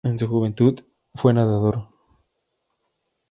En su juventud fue nadador.